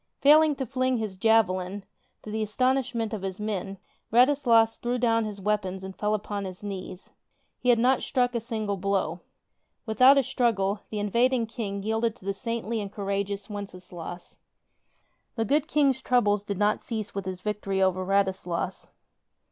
Fail ing to fling his javelin, tO' the astonishment of his men, Rad islas threw down his weapons and fell upon his knees. He had not struck a single blow. Without a struggle, the in vading King yielded to the saintly and courageous Wences laus. The good King's troubles did not cease with his victory over Radislas.